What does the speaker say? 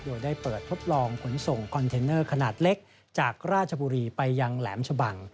โดยได้เปิดทดลองขนส่งคอนเทนเนอร์ขนาดเล็กจากราชบุรีไปยังแหลมชะบัง